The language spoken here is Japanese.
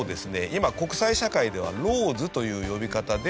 今国際社会ではＬＡＷＳという呼び方で。